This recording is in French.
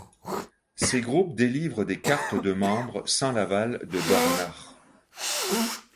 Ces groupes délivrent des cartes de membres sans l'aval de Dornach.